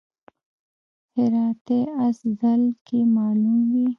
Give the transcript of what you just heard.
هراتی اس ځل کې معلوم وي.